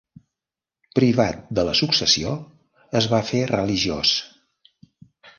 Privat de la successió, es va fer religiós.